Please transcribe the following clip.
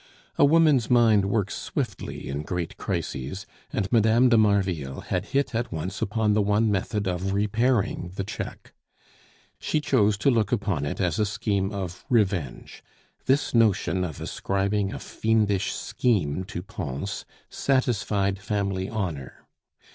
A woman's mind works swiftly in great crises, and Mme. de Marville had hit at once upon the one method of repairing the check. She chose to look upon it as a scheme of revenge. This notion of ascribing a fiendish scheme to Pons satisfied family honor.